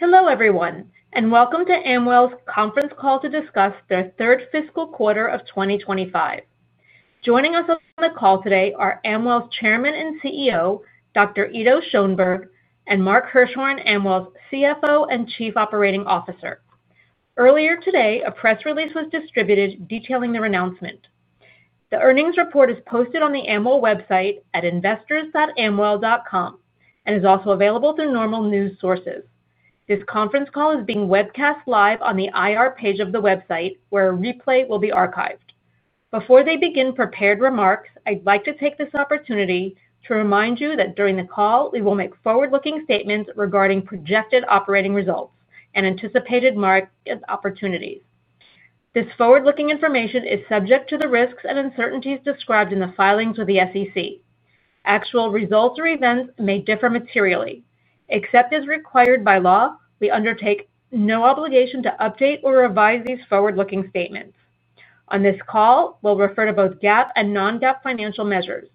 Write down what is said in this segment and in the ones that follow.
Hello everyone, and welcome to AmWell's conference call to discuss their third fiscal quarter of 2025. Joining us on the call today are AmWell's Chairman and CEO, Dr. Ido Schoenberg, and Mark Hirschhorn, AmWell's CFO and Chief Operating Officer. Earlier today, a press release was distributed detailing their announcement. The earnings report is posted on the AmWell website at investors.amwell.com and is also available through normal news sources. This conference call is being webcast live on the IR page of the website, where a replay will be archived. Before they begin prepared remarks, I'd like to take this opportunity to remind you that during the call, we will make forward-looking statements regarding projected operating results and anticipated market opportunities. This forward-looking information is subject to the risks and uncertainties described in the filings with the SEC. Actual results or events may differ materially. Except as required by law, we undertake no obligation to update or revise these forward-looking statements. On this call, we'll refer to both GAAP and non-GAAP financial measures.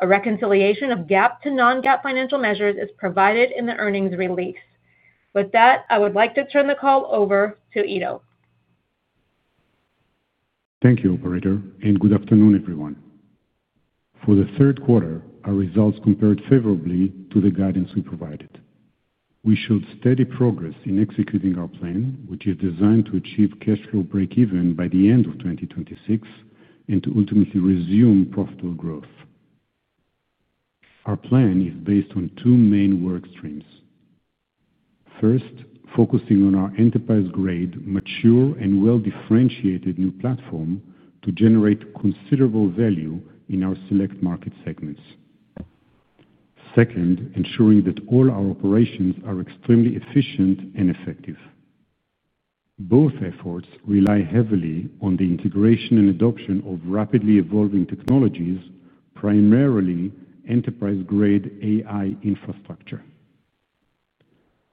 A reconciliation of GAAP to non-GAAP financial measures is provided in the earnings release. With that, I would like to turn the call over to Ido. Thank you, Operator, and good afternoon, everyone. For the third quarter, our results compared favorably to the guidance we provided. We showed steady progress in executing our plan, which is designed to achieve cash flow break-even by the end of 2026 and to ultimately resume profitable growth. Our plan is based on two main work streams. First, focusing on our enterprise-grade, mature, and well-differentiated new platform to generate considerable value in our select market segments. Second, ensuring that all our operations are extremely efficient and effective. Both efforts rely heavily on the integration and adoption of rapidly evolving technologies, primarily enterprise-grade AI infrastructure.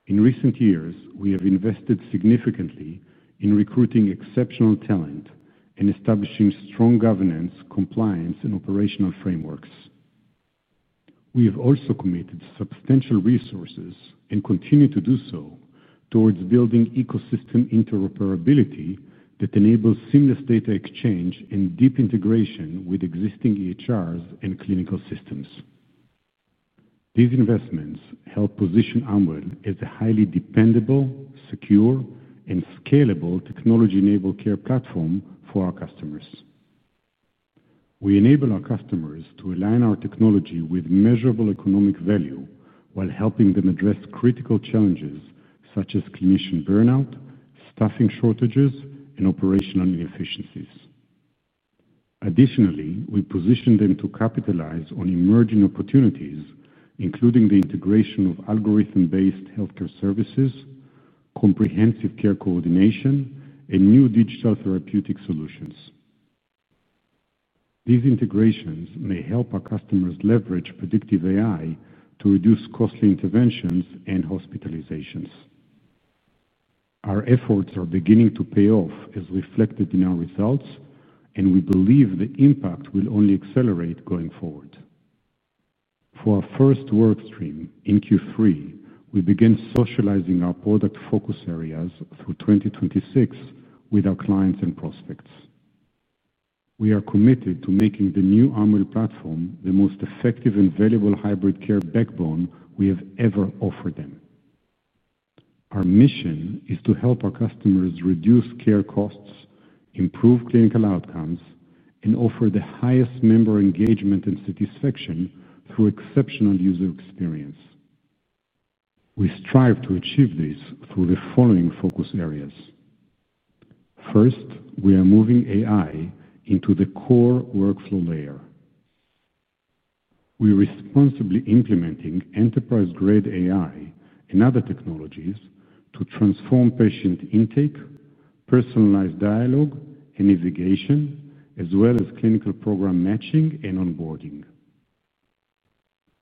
In recent years, we have invested significantly in recruiting exceptional talent and establishing strong governance, compliance, and operational frameworks. We have also committed substantial resources and continue to do so towards building ecosystem interoperability that enables seamless data exchange and deep integration with existing EHRs and clinical systems. These investments help position AmWell as a highly dependable, secure, and scalable technology-enabled care platform for our customers. We enable our customers to align our technology with measurable economic value while helping them address critical challenges such as clinician burnout, staffing shortages, and operational inefficiencies. Additionally, we position them to capitalize on emerging opportunities, including the integration of algorithm-based healthcare services, comprehensive care coordination, and new digital therapeutic solutions. These integrations may help our customers leverage predictive AI to reduce costly interventions and hospitalizations. Our efforts are beginning to pay off as reflected in our results, and we believe the impact will only accelerate going forward. For our first work stream in Q3, we began socializing our product focus areas through 2026 with our clients and prospects. We are committed to making the new AmWell platform the most effective and valuable hybrid care backbone we have ever offered them. Our mission is to help our customers reduce care costs, improve clinical outcomes, and offer the highest member engagement and satisfaction through exceptional user experience. We strive to achieve this through the following focus areas. First, we are moving AI into the core workflow layer. We are responsibly implementing enterprise-grade AI and other technologies to transform patient intake, personalized dialogue, and navigation, as well as clinical program matching and onboarding.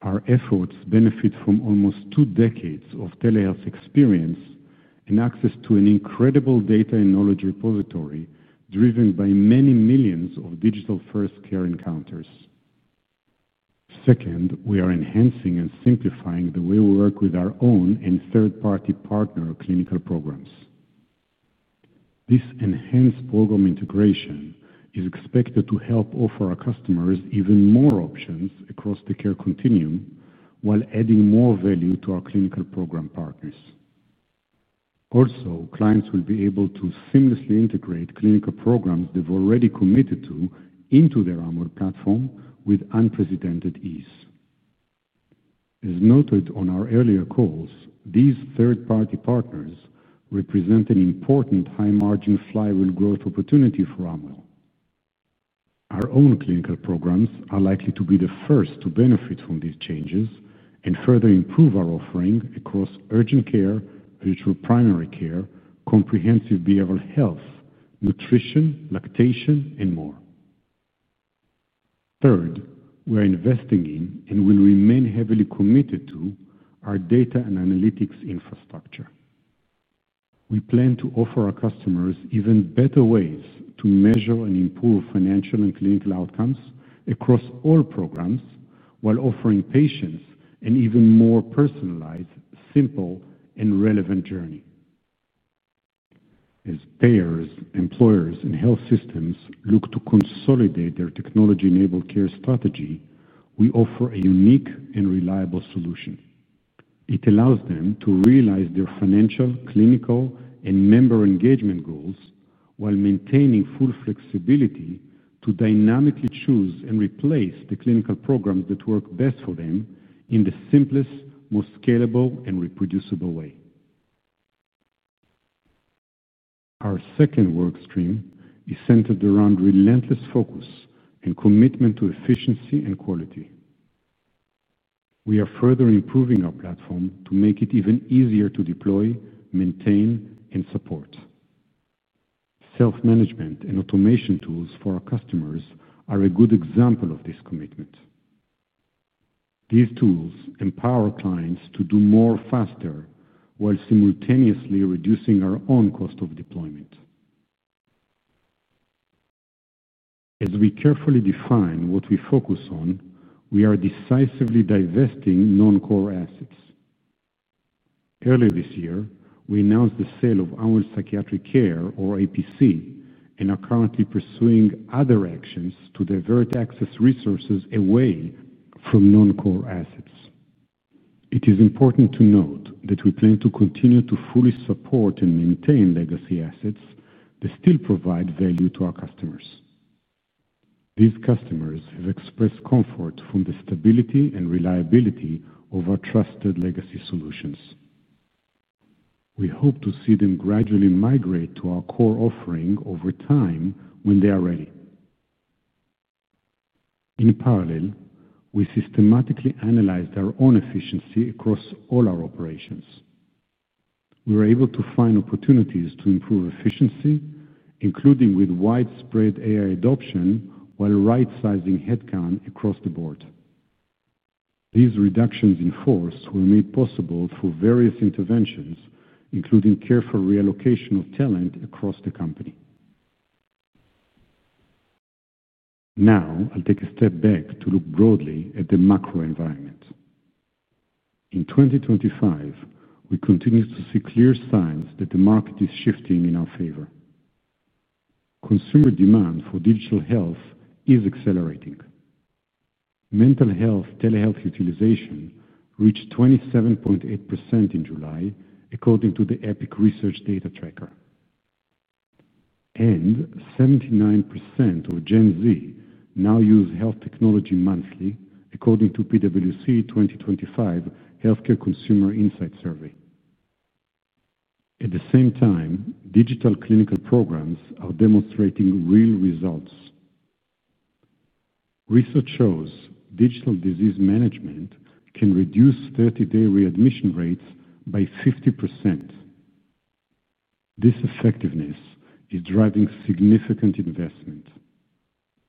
Our efforts benefit from almost two decades of telehealth experience and access to an incredible data and knowledge repository driven by many millions of digital-first care encounters. Second, we are enhancing and simplifying the way we work with our own and third-party partner clinical programs. This enhanced program integration is expected to help offer our customers even more options across the care continuum while adding more value to our clinical program partners. Also, clients will be able to seamlessly integrate clinical programs they've already committed to into their AmWell platform with unprecedented ease. As noted on our earlier calls, these third-party partners represent an important high-margin flywheel growth opportunity for AmWell. Our own clinical programs are likely to be the first to benefit from these changes and further improve our offering across urgent care, virtual primary care, comprehensive behavioral health, nutrition, lactation, and more. Third, we are investing in and will remain heavily committed to our data and analytics infrastructure. We plan to offer our customers even better ways to measure and improve financial and clinical outcomes across all programs while offering patients an even more personalized, simple, and relevant journey. As payers, employers, and health systems look to consolidate their technology-enabled care strategy, we offer a unique and reliable solution. It allows them to realize their financial, clinical, and member engagement goals while maintaining full flexibility to dynamically choose and replace the clinical programs that work best for them in the simplest, most scalable, and reproducible way. Our second work stream is centered around relentless focus and commitment to efficiency and quality. We are further improving our platform to make it even easier to deploy, maintain, and support. Self-management and automation tools for our customers are a good example of this commitment. These tools empower clients to do more faster while simultaneously reducing our own cost of deployment. As we carefully define what we focus on, we are decisively divesting non-core assets. Earlier this year, we announced the sale of AmWell Psychiatric Care, or APC, and are currently pursuing other actions to divert access resources away from non-core assets. It is important to note that we plan to continue to fully support and maintain legacy assets that still provide value to our customers. These customers have expressed comfort from the stability and reliability of our trusted legacy solutions. We hope to see them gradually migrate to our core offering over time when they are ready. In parallel, we systematically analyzed our own efficiency across all our operations. We were able to find opportunities to improve efficiency, including with widespread AI adoption while right-sizing headcount across the board. These reductions in force were made possible through various interventions, including careful reallocation of talent across the company. Now, I'll take a step back to look broadly at the macro environment. In 2025, we continue to see clear signs that the market is shifting in our favor. Consumer demand for digital health is accelerating. Mental health telehealth utilization reached 27.8% in July, according to the Epic Research Data Tracker, and 79% of Gen Z now use health technology monthly, according to PwC 2025 Healthcare Consumer Insight Survey. At the same time, digital clinical programs are demonstrating real results. Research shows digital disease management can reduce 30-day readmission rates by 50%. This effectiveness is driving significant investment.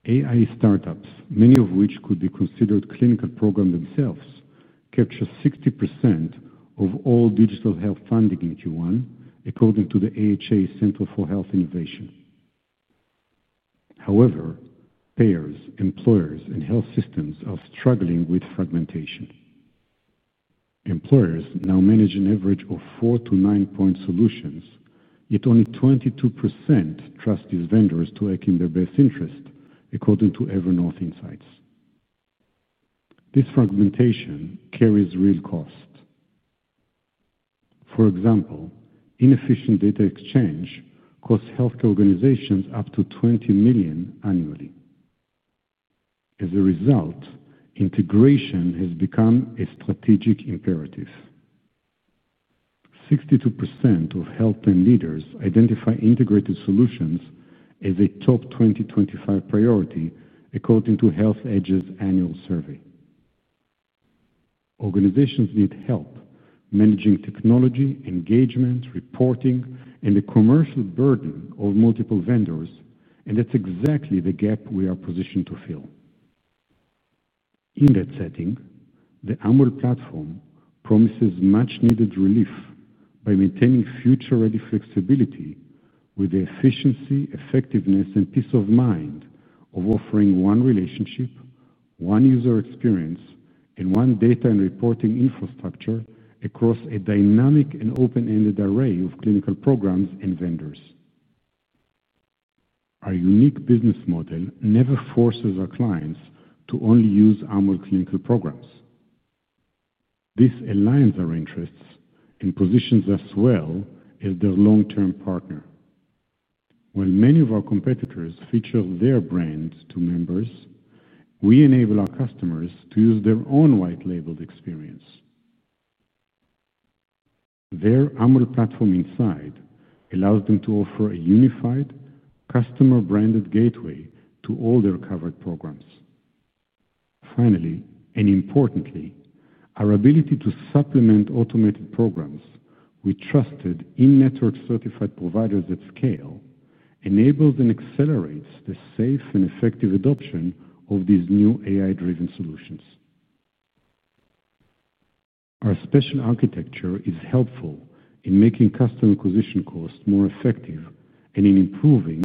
AI startups, many of which could be considered clinical programs themselves, capture 60% of all digital health funding in Q1, according to the AHA Center for Health Innovation. However, payers, employers, and health systems are struggling with fragmentation. Employers now manage an average of four to nine-point solutions, yet only 22% trust these vendors to act in their best interest, according to Evernorth Insights. This fragmentation carries real costs. For example, inefficient data exchange costs healthcare organizations up to $20 million annually. As a result, integration has become a strategic imperative. 62% of health plan leaders identify integrated solutions as a top 2025 priority, according to HealthEdge's annual survey. Organizations need help managing technology, engagement, reporting, and the commercial burden of multiple vendors, and that's exactly the gap we are positioned to fill. In that setting, the AmWell platform promises much-needed relief by maintaining future-ready flexibility with the efficiency, effectiveness, and peace of mind of offering one relationship. One user experience, and one data and reporting infrastructure across a dynamic and open-ended array of clinical programs and vendors. Our unique business model never forces our clients to only use AmWell clinical programs. This aligns our interests and positions us well as their long-term partner. While many of our competitors feature their brands to members, we enable our customers to use their own white-labeled experience. Their AmWell platform inside allows them to offer a unified customer-branded gateway to all their covered programs. Finally, and importantly, our ability to supplement automated programs with trusted in-network certified providers at scale enables and accelerates the safe and effective adoption of these new AI-driven solutions. Our special architecture is helpful in making customer acquisition costs more effective and in improving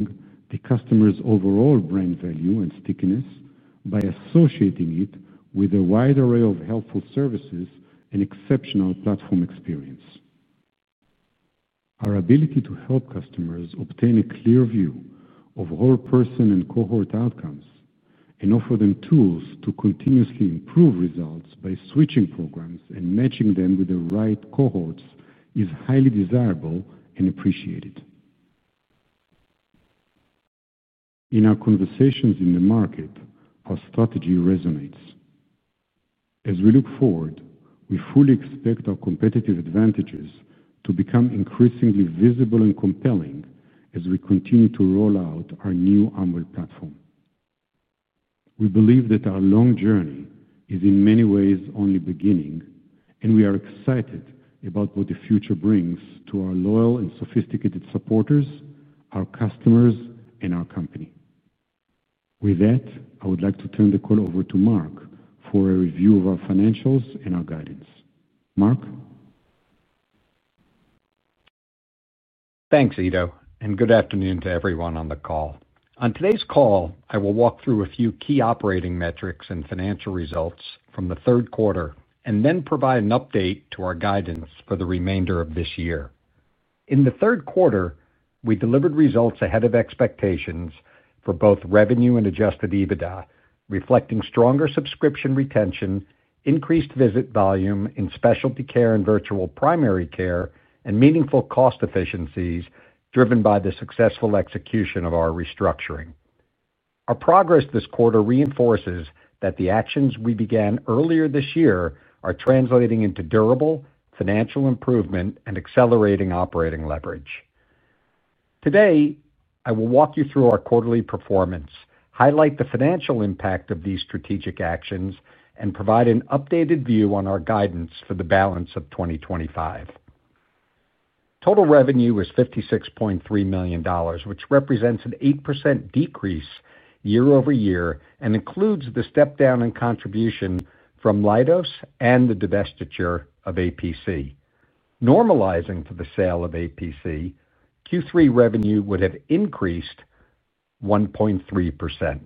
the customer's overall brand value and stickiness by associating it with a wide array of helpful services and exceptional platform experience. Our ability to help customers obtain a clear view of whole-person and cohort outcomes and offer them tools to continuously improve results by switching programs and matching them with the right cohorts is highly desirable and appreciated. In our conversations in the market, our strategy resonates. As we look forward, we fully expect our competitive advantages to become increasingly visible and compelling as we continue to roll out our new AmWell platform. We believe that our long journey is, in many ways, only beginning, and we are excited about what the future brings to our loyal and sophisticated supporters, our customers, and our company. With that, I would like to turn the call over to Mark for a review of our financials and our guidance. Mark. Thanks, Ido, and good afternoon to everyone on the call. On today's call, I will walk through a few key operating metrics and financial results from the third quarter and then provide an update to our guidance for the remainder of this year. In the third quarter, we delivered results ahead of expectations for both revenue and Adjusted EBITDA, reflecting stronger subscription retention, increased visit volume in specialty care and virtual primary care, and meaningful cost efficiencies driven by the successful execution of our restructuring. Our progress this quarter reinforces that the actions we began earlier this year are translating into durable financial improvement and accelerating operating leverage. Today, I will walk you through our quarterly performance, highlight the financial impact of these strategic actions, and provide an updated view on our guidance for the balance of 2025. Total revenue was $56.3 million, which represents an 8% decrease year-over-year and includes the step-down in contribution from Lyra Health and the divestiture of APC. Normalizing to the sale of APC, Q3 revenue would have increased 1.3%.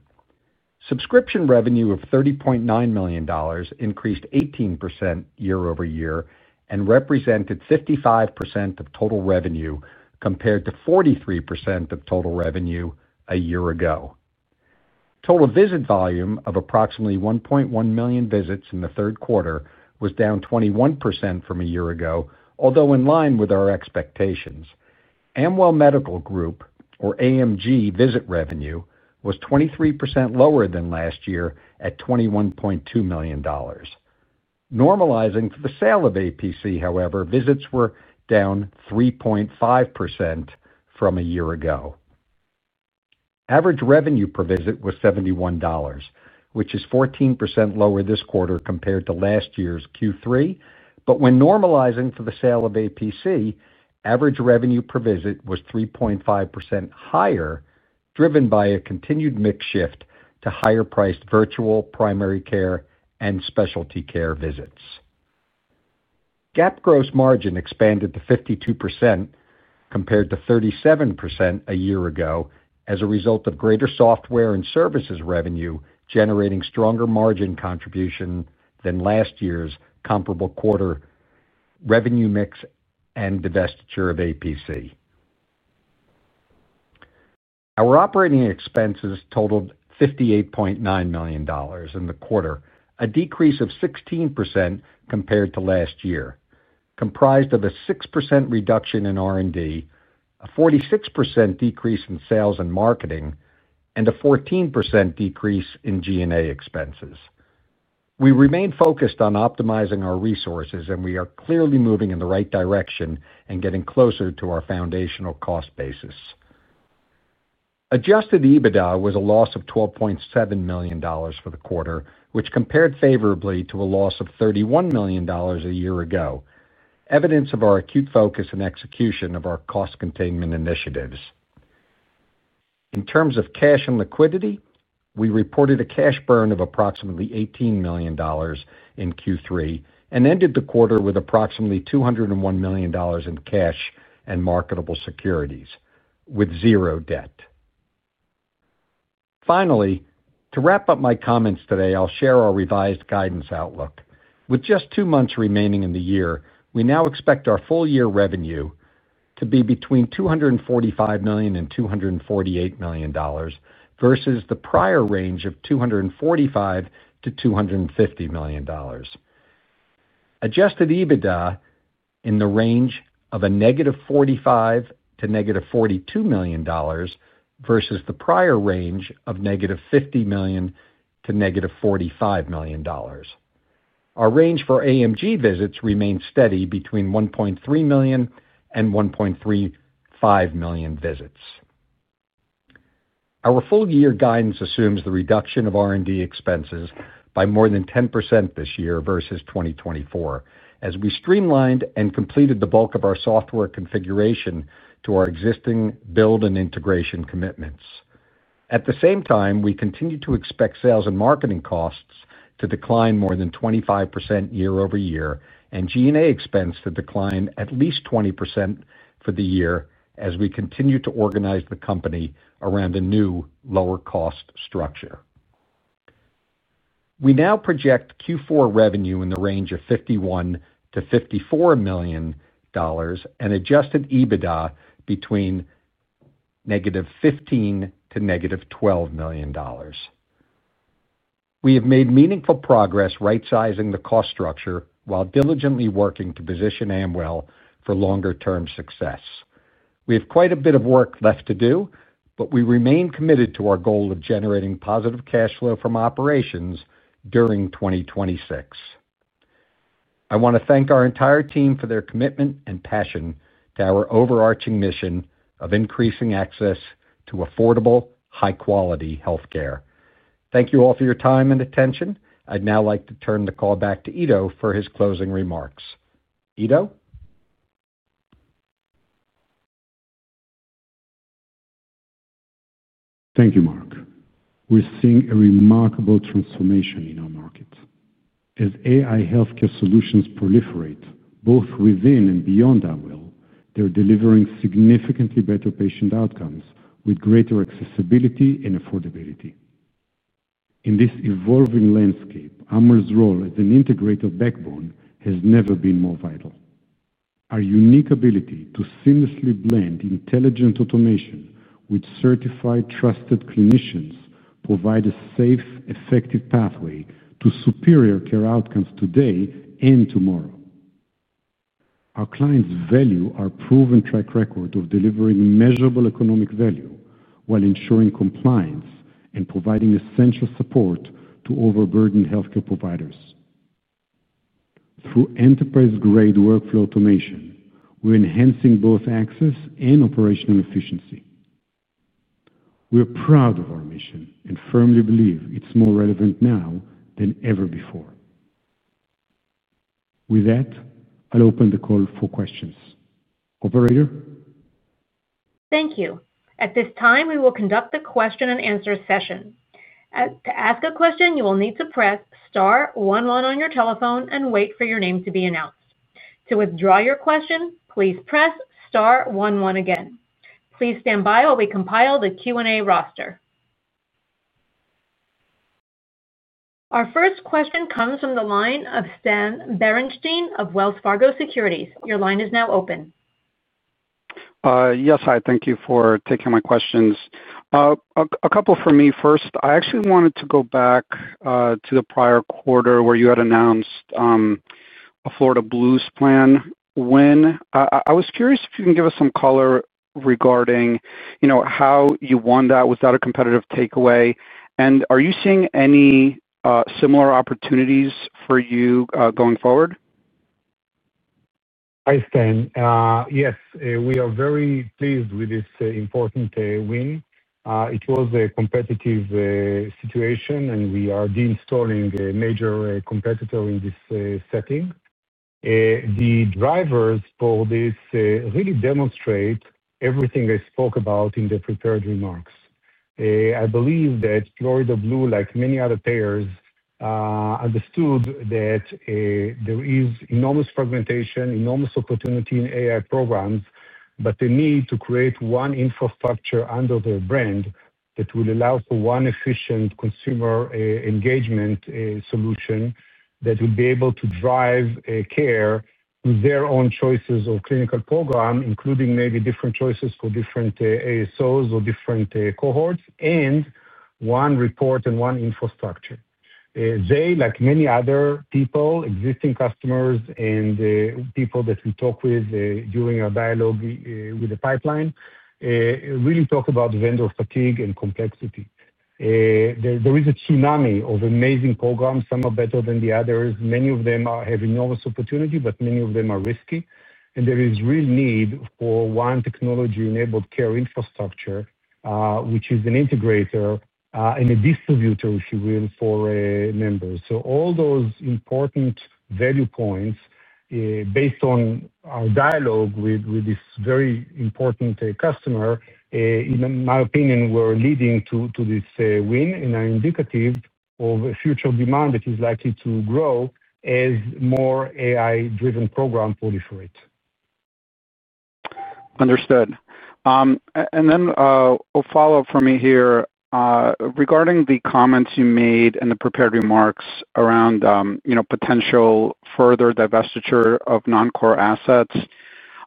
Subscription revenue of $30.9 million increased 18% year-over-year and represented 55% of total revenue compared to 43% of total revenue a year ago. Total visit volume of approximately 1.1 million visits in the third quarter was down 21% from a year ago, although in line with our expectations. AmWell Medical Group, or AMG, visit revenue was 23% lower than last year at $21.2 million. Normalizing to the sale of APC, however, visits were down 3.5% from a year ago. Average revenue per visit was $71, which is 14% lower this quarter compared to last year's Q3, but when normalizing for the sale of APC, average revenue per visit was 3.5% higher, driven by a continued mix shift to higher-priced virtual primary care and specialty care visits. GAAP gross margin expanded to 52%, compared to 37% a year ago as a result of greater software and services revenue generating stronger margin contribution than last year's comparable quarter revenue mix and divestiture of APC. Our operating expenses totaled $58.9 million in the quarter, a decrease of 16% compared to last year, comprised of a 6% reduction in R&D, a 46% decrease in sales and marketing, and a 14% decrease in G&A expenses. We remained focused on optimizing our resources, and we are clearly moving in the right direction and getting closer to our foundational cost basis. Adjusted EBITDA was a loss of $12.7 million for the quarter, which compared favorably to a loss of $31 million a year ago, evidence of our acute focus and execution of our cost containment initiatives. In terms of cash and liquidity, we reported a cash burn of approximately $18 million in Q3 and ended the quarter with approximately $201 million in cash and marketable securities, with zero debt. Finally, to wrap up my comments today, I'll share our revised guidance outlook. With just two months remaining in the year, we now expect our full-year revenue to be between $245 million and $248 million versus the prior range of $245 million t-$250 million. Adjusted EBITDA in the range of -$45 million to -$42 million versus the prior range of -$50 million to -$45 million. Our range for AMG visits remains steady between 1.3 million and 1.35 million visits. Our full-year guidance assumes the reduction of R&D expenses by more than 10% this year versus 2024, as we streamlined and completed the bulk of our software configuration to our existing build and integration commitments. At the same time, we continue to expect sales and marketing costs to decline more than 25% year-over-year and G&A expense to decline at least 20% for the year as we continue to organize the company around a new lower-cost structure. We now project Q4 revenue in the range of $51 million-$54 million, and adjusted EBITDA between negative $15 million-$12 million. We have made meaningful progress right-sizing the cost structure while diligently working to position AmWell for longer-term success. We have quite a bit of work left to do, but we remain committed to our goal of generating positive cash flow from operations during 2026. I want to thank our entire team for their commitment and passion to our overarching mission of increasing access to affordable, high-quality healthcare. Thank you all for your time and attention. I'd now like to turn the call back to Ido for his closing remarks. Ido? Thank you, Mark. We're seeing a remarkable transformation in our market. As AI healthcare solutions proliferate both within and beyond AmWell, they're delivering significantly better patient outcomes with greater accessibility and affordability. In this evolving landscape, AmWell's role as an integrator backbone has never been more vital. Our unique ability to seamlessly blend intelligent automation with certified, trusted clinicians provides a safe, effective pathway to superior care outcomes today and tomorrow. Our clients value our proven track record of delivering measurable economic value while ensuring compliance and providing essential support to overburdened healthcare providers. Through enterprise-grade workflow automation, we're enhancing both access and operational efficiency. We're proud of our mission and firmly believe it's more relevant now than ever before. With that, I'll open the call for questions. Operator? Thank you. At this time, we will conduct the question-and-answer session. To ask a question, you will need to press star one one on your telephone and wait for your name to be announced. To withdraw your question, please press star one one again. Please stand by while we compile the Q&A roster. Our first question comes from the line of Stan Berenshteyn of Wells Fargo Securities. Your line is now open. Yes, hi. Thank you for taking my questions. A couple for me first. I actually wanted to go back to the prior quarter where you had announced a Florida Blue plan. I was curious if you can give us some color regarding how you won that without a competitive takeaway. And are you seeing any similar opportunities for you going forward? Hi, Stan. Yes, we are very pleased with this important win. It was a competitive situation, and we are deinstalling a major competitor in this setting. The drivers for this really demonstrate everything I spoke about in the prepared remarks. I believe that Florida Blue, like many other payers. Understood that. There is enormous fragmentation, enormous opportunity in AI programs, but the need to create one infrastructure under their brand that will allow for one efficient consumer engagement solution that will be able to drive care through their own choices of clinical program, including maybe different choices for different ASOs or different cohorts, and one report and one infrastructure. They, like many other people, existing customers, and people that we talk with during our dialogue with the pipeline, really talk about vendor fatigue and complexity. There is a tsunami of amazing programs, some are better than the others. Many of them have enormous opportunity, but many of them are risky. And there is real need for one technology-enabled care infrastructure, which is an integrator and a distributor, if you will, for members. So all those important value points. Based on our dialogue with this very important customer, in my opinion, were leading to this win and are indicative of a future demand that is likely to grow as more AI-driven programs proliferate. Understood. And then a follow-up for me here. Regarding the comments you made and the prepared remarks around potential further divestiture of non-core assets,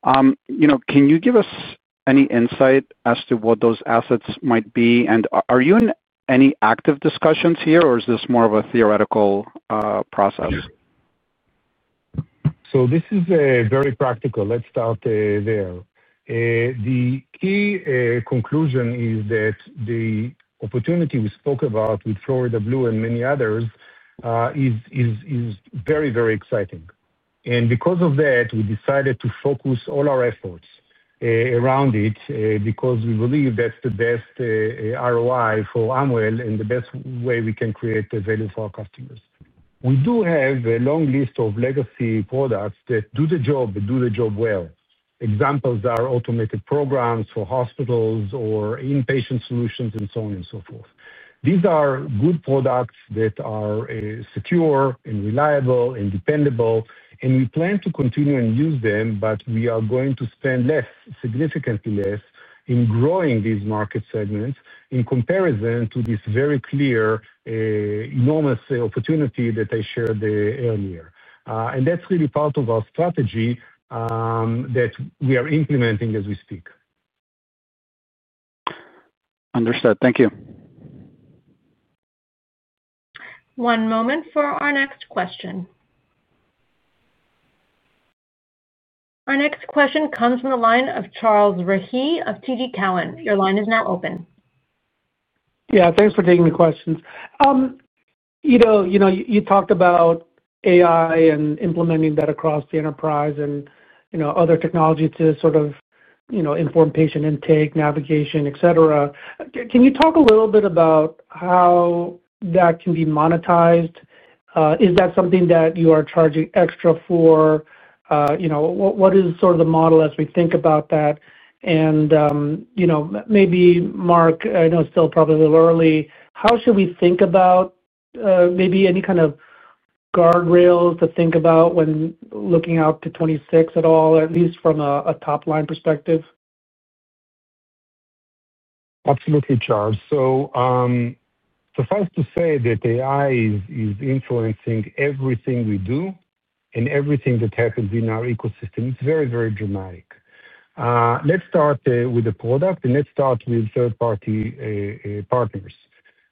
can you give us any insight as to what those assets might be? And are you in any active discussions here, or is this more of a theoretical process? So this is very practical. Let's start there. The key conclusion is that the opportunity we spoke about with Florida Blue and many others is very, very exciting. And because of that, we decided to focus all our efforts around it because we believe that's the best ROI for AmWell and the best way we can create value for our customers. We do have a long list of legacy products that do the job and do the job well. Examples are automated programs for hospitals or inpatient solutions, and so on and so forth. These are good products that are secure and reliable and dependable, and we plan to continue and use them, but we are going to spend less, significantly less, in growing these market segments in comparison to this very clear enormous opportunity that I shared earlier. And that's really part of our strategy that we are implementing as we speak. Understood. Thank you. One moment for our next question. Our next question comes from the line of Charles Rhyee of TD Cowen. Your line is now open. Yeah, thanks for taking the questions. You talked about AI and implementing that across the enterprise and other technology to sort of inform patient intake, navigation, etc. Can you talk a little bit about how that can be monetized? Is that something that you are charging extra for? What is sort of the model as we think about that? And maybe, Mark, I know it's still probably a little early, how should we think about maybe any kind of. Guardrails to think about when looking out to '2026 at all, at least from a top-line perspective? Absolutely, Charles. So. Suffice to say that AI is influencing everything we do and everything that happens in our ecosystem. It's very, very dramatic. Let's start with the product, and let's start with third-party partners.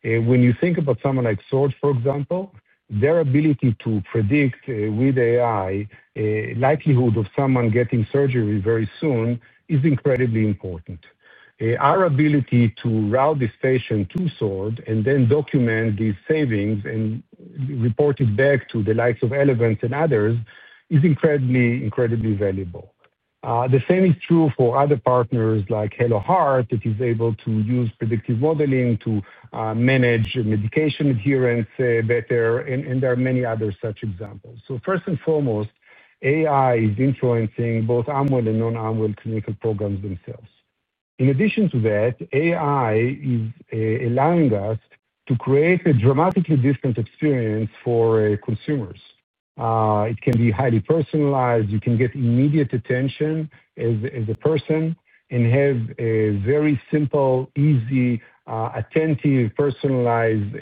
When you think about someone like Source, for example, their ability to predict with AI. The likelihood of someone getting surgery very soon is incredibly important. Our ability to route this patient to Source and then document these savings and report it back to the likes of Evernorth and others is incredibly, incredibly valuable. The same is true for other partners like HelloHeart that is able to use predictive modeling to manage medication adherence better, and there are many other such examples. So first and foremost, AI is influencing both AmWell and non-AmWell clinical programs themselves. In addition to that, AI is allowing us to create a dramatically different experience for consumers. It can be highly personalized. You can get immediate attention as a person and have a very simple, easy, attentive, personalized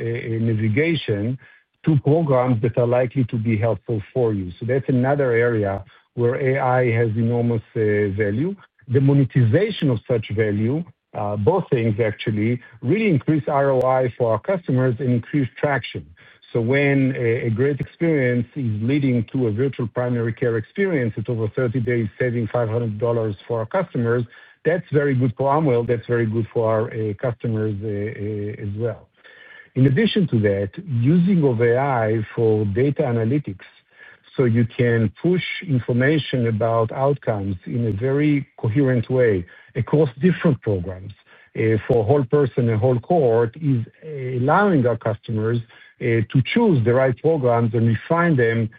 navigation to programs that are likely to be helpful for you. So that's another area where AI has enormous value. The monetization of such value, both things actually, really increase ROI for our customers and increase traction. So when a great experience is leading to a virtual primary care experience at over 30 days, saving $500 for our customers, that's very good for AmWell. That's very good for our customers as well. In addition to that, using AI for data analytics, so you can push information about outcomes in a very coherent way across different programs for a whole person, a whole cohort, is allowing our customers to choose the right programs and refine them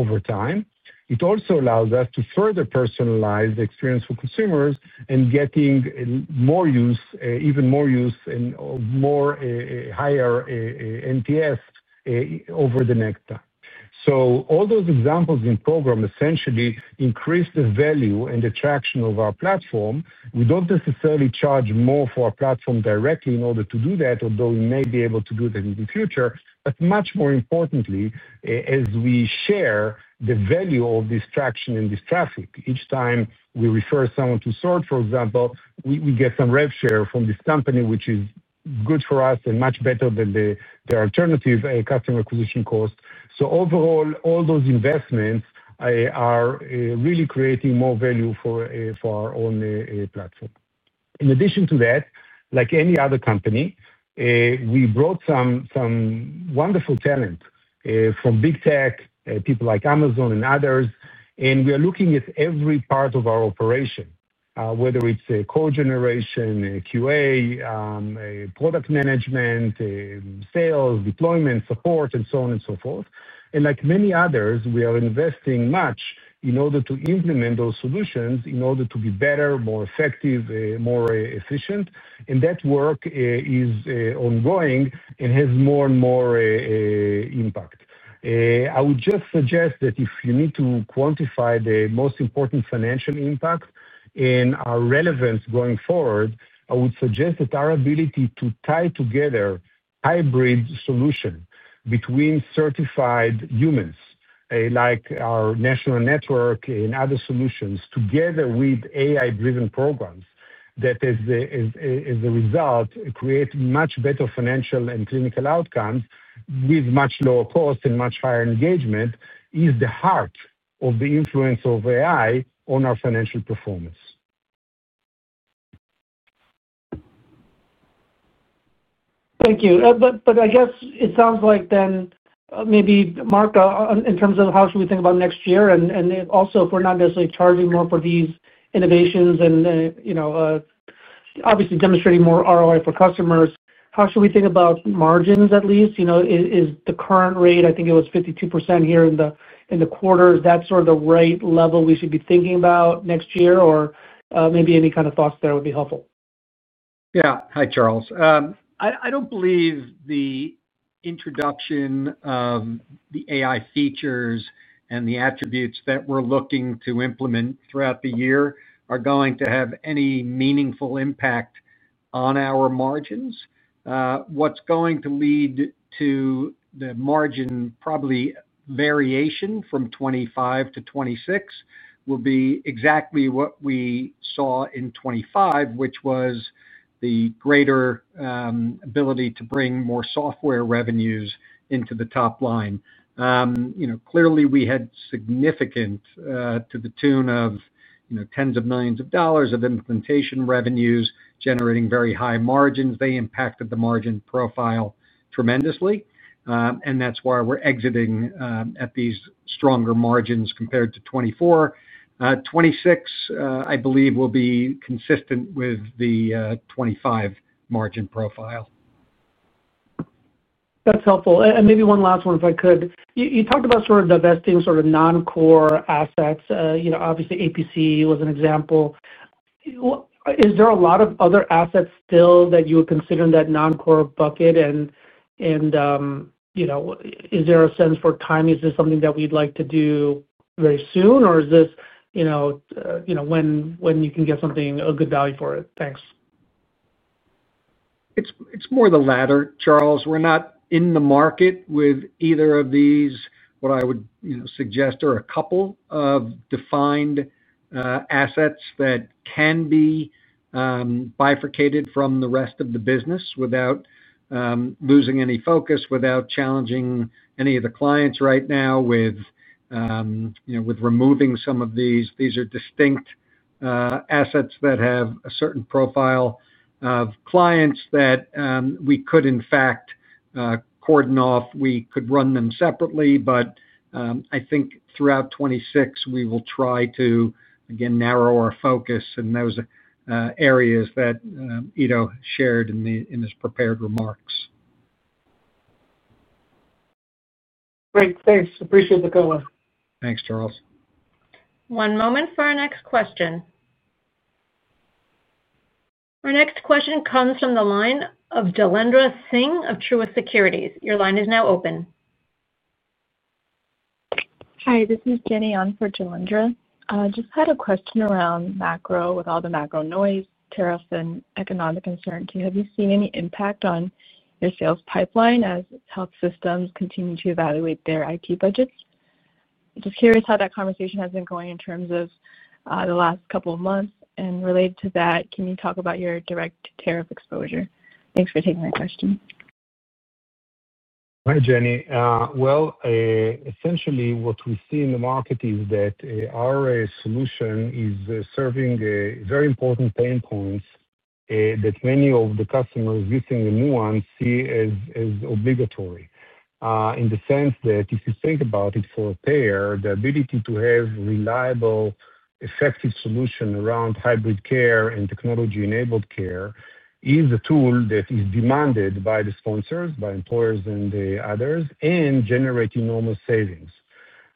over time. It also allows us to further personalize the experience for consumers and getting more use, even more use and more higher NPS. Over the next time. So all those examples in program essentially increase the value and the traction of our platform. We don't necessarily charge more for our platform directly in order to do that, although we may be able to do that in the future. But much more importantly, as we share the value of this traction and this traffic, each time we refer someone to Source, for example, we get some rev share from this company, which is good for us and much better than their alternative customer acquisition cost. So overall, all those investments. Are really creating more value for our own platform. In addition to that, like any other company. We brought some wonderful talent from big tech, people like Amazon and others, and we are looking at every part of our operation, whether it's code generation, QA. Product management. Sales, deployment, support, and so on and so forth. And like many others, we are investing much in order to implement those solutions in order to be better, more effective, more efficient. And that work is ongoing and has more and more impact. I would just suggest that if you need to quantify the most important financial impact and our relevance going forward, I would suggest that our ability to tie together hybrid solutions between certified humans like our national network and other solutions together with AI-driven programs that, as a result, create much better financial and clinical outcomes with much lower cost and much higher engagement is the heart of the influence of AI on our financial performance. Thank you. But I guess it sounds like then maybe, Mark, in terms of how should we think about next year? And also, if we're not necessarily charging more for these innovations and obviously demonstrating more ROI for customers, how should we think about margins at least? Is the current rate, I think it was 52% here in the quarter, is that sort of the right level we should be thinking about next year? Or maybe any kind of thoughts there would be helpful. Yeah. Hi, Charles. I don't believe the introduction of the AI features and the attributes that we're looking to implement throughout the year are going to have any meaningful impact on our margins. What's going to lead to the margin probably variation from 2025-2026 will be exactly what we saw in 2025, which was the greater ability to bring more software revenues into the top line. Clearly, we had significant to the tune of tens of millions of dollars of implementation revenues generating very high margins. They impacted the margin profile tremendously. And that's why we're exiting at these stronger margins compared to 2024. 2026, I believe, will be consistent with the 2025 margin profile. That's helpful. And maybe one last one, if I could. You talked about sort of divesting sort of non-core assets. Obviously, APC was an example. Is there a lot of other assets still that you would consider in that non-core bucket? And is there a sense for time? Is this something that we'd like to do very soon, or is this when you can get something, a good value for it? Thanks. It's more the latter, Charles. We're not in the market with either of these, what I would suggest are a couple of defined assets that can be bifurcated from the rest of the business without losing any focus, without challenging any of the clients right now with removing some of these. These are distinct assets that have a certain profile of clients that we could, in fact, cordon off. We could run them separately, but I think throughout 2026, we will try to, again, narrow our focus in those areas that Ido shared in his prepared remarks. Great. Thanks. Appreciate the comment. Thanks, Charles. One moment for our next question. Our next question comes from the line of Jailendra Singh of Truist Securities. Your line is now open. Hi, this is Jenny On for Jailendra. Just had a question around macro with all the macro noise, tariffs, and economic uncertainty. Have you seen any impact on your sales pipeline as health systems continue to evaluate their IT budgets? Just curious how that conversation has been going in terms of the last couple of months. And related to that, can you talk about your direct tariff exposure? Thanks for taking my question. Hi, Jenny. Well, essentially, what we see in the market is that our solution is serving very important pain points that many of the customers using the new one see as obligatory. In the sense that if you think about it for a payer, the ability to have a reliable, effective solution around hybrid care and technology-enabled care is a tool that is demanded by the sponsors, by employers, and others, and generates enormous savings.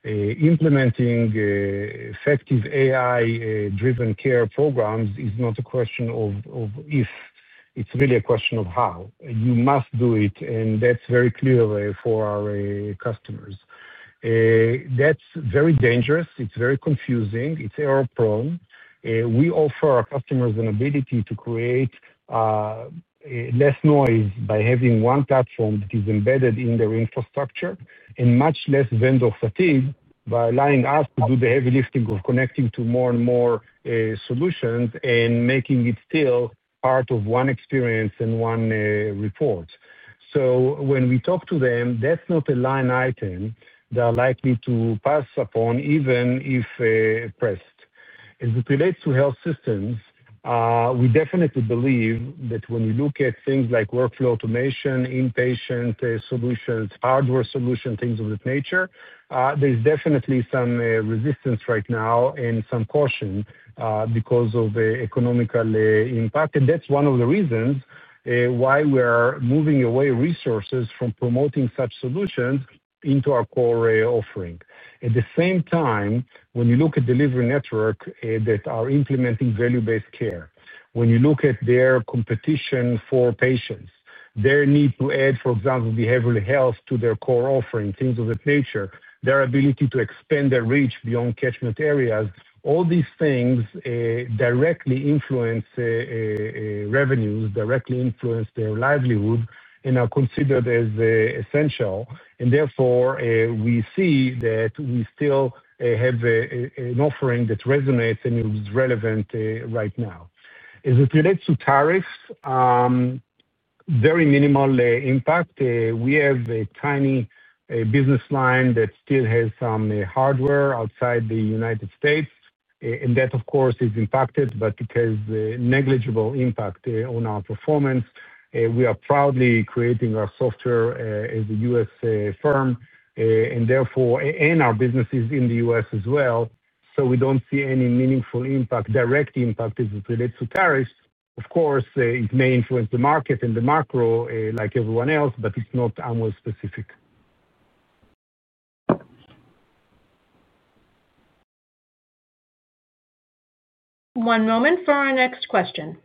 Implementing effective AI-driven care programs is not a question of if. It's really a question of how. You must do it, and that's very clear for our customers. That's very dangerous. It's very confusing. It's error-prone. We offer our customers an ability to create less noise by having one platform that is embedded in their infrastructure and much less vendor fatigue by allowing us to do the heavy lifting of connecting to more and more solutions and making it still part of one experience and one report. So when we talk to them, that's not a line item they're likely to pass upon even if pressed. As it relates to health systems, we definitely believe that when you look at things like workflow automation, inpatient solutions, hardware solutions, things of that nature, there's definitely some resistance right now and some caution because of the economic impact. And that's one of the reasons why we're moving away resources from promoting such solutions into our core offering. At the same time, when you look at delivery networks that are implementing value-based care, when you look at their competition for patients, their need to add, for example, behavioral health to their core offering, things of that nature, their ability to expand their reach beyond catchment areas, all these things directly influence revenues, directly influence their livelihood, and are considered as essential. And therefore, we see that we still have an offering that resonates and is relevant right now. As it relates to tariffs, very minimal impact. We have a tiny business line that still has some hardware outside the United States, and that, of course, is impacted, but it has negligible impact on our performance. We are proudly creating our software as a U.S. firm, and therefore, and our businesses in the U.S. as well. So we don't see any meaningful impact. Direct impact as it relates to tariffs, of course, it may influence the market and the macro like everyone else, but it's not AmWell specific. One moment for our next question.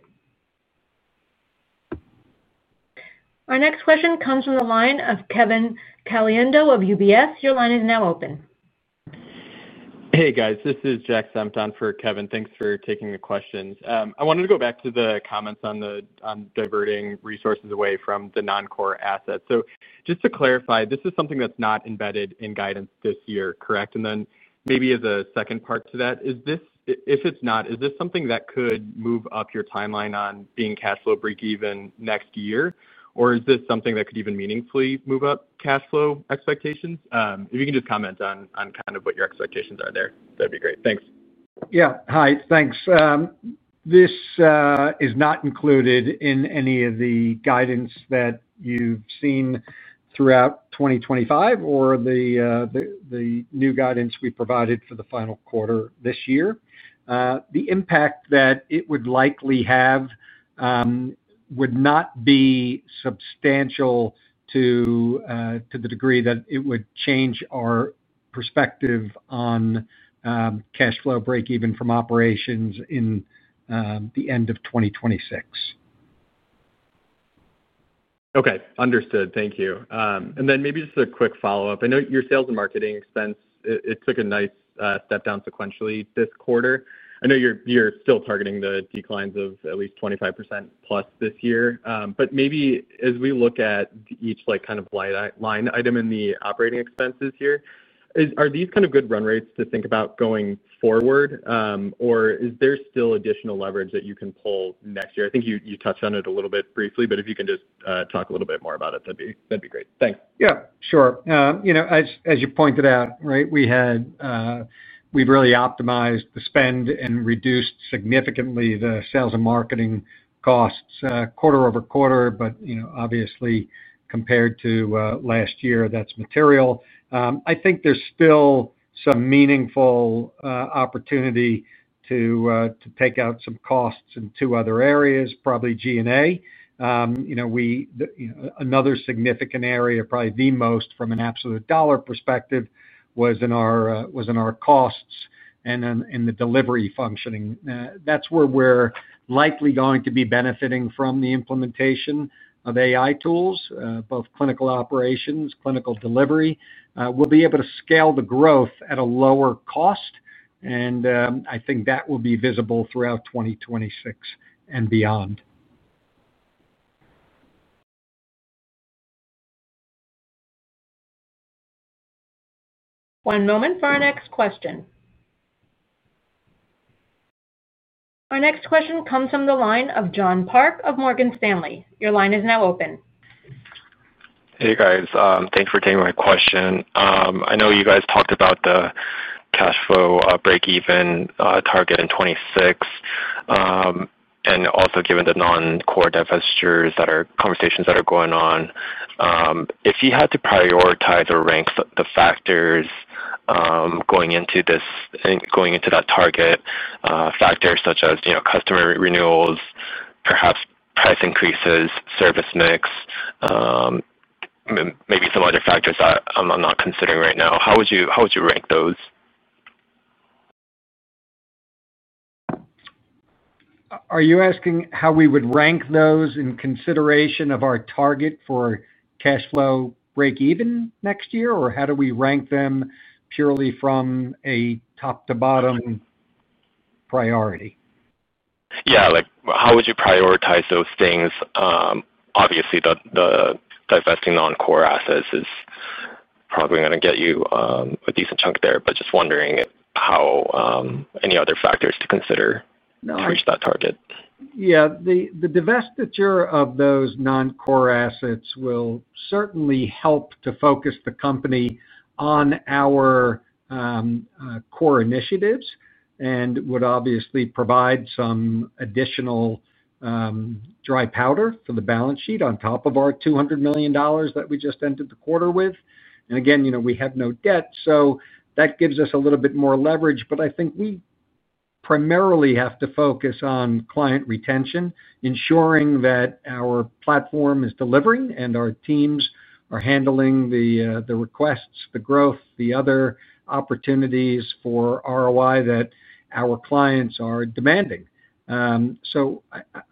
Our next question comes from the line of Kevin Caliendo of UBS. Your line is now open. Hey, guys. This is Jack Sampton for Kevin. Thanks for taking the questions. I wanted to go back to the comments on diverting resources away from the non-core assets. So just to clarify, this is something that's not embedded in guidance this year, correct? And then maybe as a second part to that. If it's not, is this something that could move up your timeline on being cash flow break-even next year, or is this something that could even meaningfully move up cash flow expectations? If you can just comment on kind of what your expectations are there, that'd be great. Thanks. Yeah. Hi. Thanks. This is not included in any of the guidance that you've seen throughout 2025 or the new guidance we provided for the final quarter this year. The impact that it would likely have would not be substantial to the degree that it would change our perspective on cash flow break-even from operations in the end of 2026. Okay. Understood. Thank you. And then maybe just a quick follow-up. I know your sales and marketing expense, it took a nice step down sequentially this quarter. I know you're still targeting the declines of at least 25% plus this year. But maybe as we look at each kind of line item in the operating expenses here, are these kind of good run rates to think about going forward, or is there still additional leverage that you can pull next year? I think you touched on it a little bit briefly, but if you can just talk a little bit more about it, that'd be great. Thanks. Yeah. Sure. As you pointed out, right, we've really optimized the spend and reduced significantly the sales and marketing costs. Quarter over quarter, but obviously, compared to last year, that's material. I think there's still some meaningful opportunity to take out some costs in two other areas, probably G&A. Another significant area, probably the most from an absolute dollar perspective, was in our costs and the delivery functioning. That's where we're likely going to be benefiting from the implementation of AI tools, both clinical operations, clinical delivery. We'll be able to scale the growth at a lower cost, and I think that will be visible throughout 2026 and beyond. One moment for our next question. Our next question comes from the line of John Park of Morgan Stanley. Your line is now open. Hey, guys. Thanks for taking my question. I know you guys talked about the cash flow break-even target in 2026. And also given the non-core divestitures that are conversations that are going on. If you had to prioritize or rank the factors going into that target, factors such as customer renewals, perhaps price increases, service mix. Maybe some other factors that I'm not considering right now, how would you rank those? Are you asking how we would rank those in consideration of our target for cash flow break-even next year, or how do we rank them purely from a top-to-bottom. Priority? Yeah. How would you prioritize those things? Obviously, the divesting non-core assets is probably going to get you a decent chunk there, but just wondering how. Any other factors to consider to reach that target. Yeah. The divestiture of those non-core assets will certainly help to focus the company on our core initiatives and would obviously provide some additional dry powder for the balance sheet on top of our $200 million that we just ended the quarter with. And again, we have no debt, so that gives us a little bit more leverage. But I think we primarily have to focus on client retention, ensuring that our platform is delivering and our teams are handling the requests, the growth, the other opportunities for ROI that our clients are demanding. So,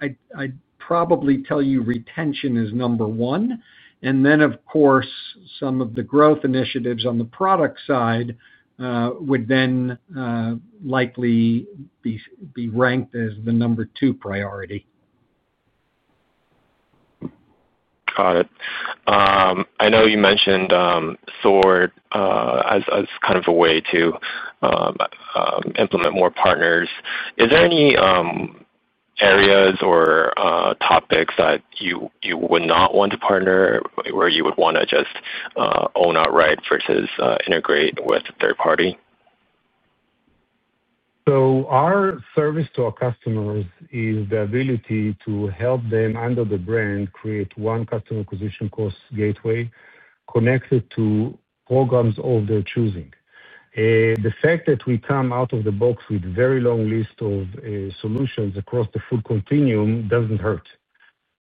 I'd probably tell you retention is number one. And then, of course, some of the growth initiatives on the product side would then likely be ranked as the number two priority. Got it. I know you mentioned SOAR as kind of a way to implement more partners. Is there any areas or topics that you would not want to partner where you would want to just own outright versus integrate with a third party? So our service to our customers is the ability to help them under the brand create one customer acquisition cost gateway connected to programs of their choosing. The fact that we come out of the box with a very long list of solutions across the full continuum doesn't hurt.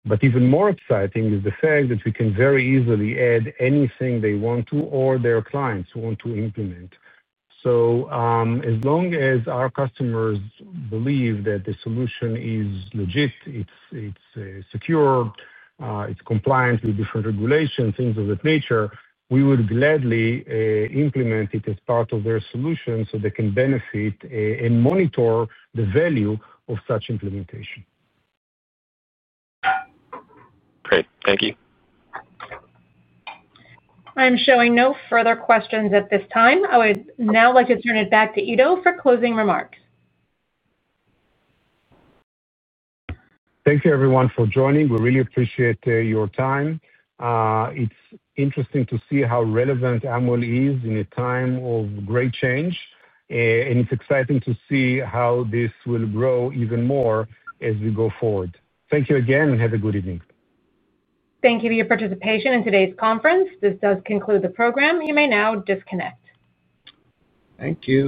But even more exciting is the fact that we can very easily add anything they want to or their clients want to implement. So as long as our customers believe that the solution is legit, it's secure. It's compliant with different regulations, things of that nature, we would gladly implement it as part of their solution so they can benefit and monitor the value of such implementation. Great. Thank you. I'm showing no further questions at this time. I would now like to turn it back to Ido for closing remarks. Thank you, everyone, for joining. We really appreciate your time. It's interesting to see how relevant AmWell is in a time of great change. And it's exciting to see how this will grow even more as we go forward. Thank you again, and have a good evening. Thank you for your participation in today's conference. This does conclude the program. You may now disconnect. Thank you.